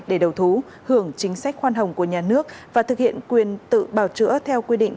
để đầu thú hưởng chính sách khoan hồng của nhà nước và thực hiện quyền tự bào chữa theo quy định